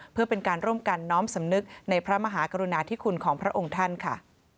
เพื่อเป็นการร่วมกันน้อมสำนึกในพระมหากรุณาธิคุณของพระองค์ท่านค่ะ